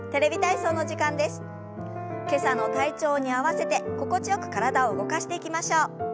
今朝の体調に合わせて心地よく体を動かしていきましょう。